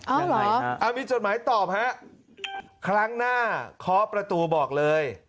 อ้าวเหรอครับมีจดหมายตอบครับครั้งหน้าขอประตูบอกเลย